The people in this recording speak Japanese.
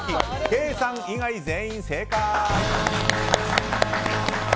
ケイさん以外、全員正解。